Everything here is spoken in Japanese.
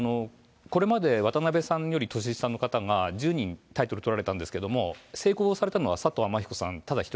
これまで渡辺さんより年下の方が１０人タイトル取られたんですけども、成功されたのは、さとうあまひこさんただ一人。